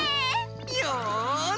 よし！